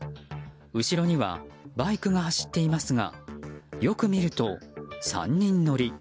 後ろにはバイクが走っていますがよく見ると３人乗り。